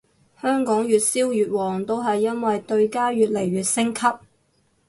香港越燒越旺都係因為對家越嚟越升級